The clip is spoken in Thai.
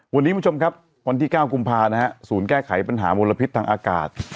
วันนี้คุณผู้ชมครับวันที่๙กุมภานะฮะศูนย์แก้ไขปัญหามลพิษทางอากาศ